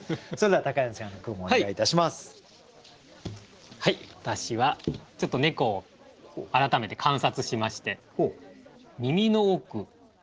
はい私はちょっと猫を改めて観察しまして。